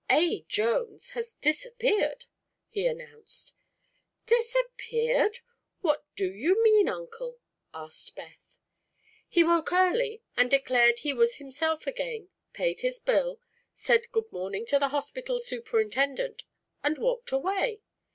"A. Jones has disappeared!" he announced. "Disappeared! What do you mean, Uncle?" asked Beth. "He woke early and declared he was himself again, paid his bill, said 'good morning' to the hospital superintendent and walked away.